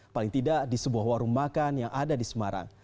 paling tidak di sebuah warung makan yang ada di semarang